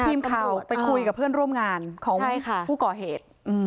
ทีมข่าวไปคุยกับเพื่อนร่วมงานของผู้ก่อเหตุ